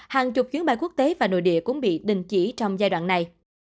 hàng chục chuyến bay quốc tế và nội địa cũng bị đình chỉ trong giai đoạn này